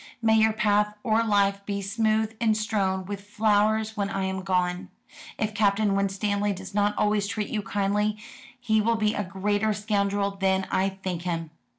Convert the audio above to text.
"May your path of life be smooth and strewn with flowers when I am gone. If Captain Winstanley does not always treat you kindly, he will be a greater scoundrel than I think him.